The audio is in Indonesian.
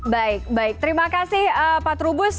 baik baik terima kasih pak trubus